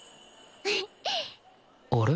あれ？